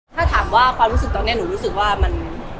ถ้าถามว่าความรู้สึกตอนนี้หนูรู้สึกว่ามัน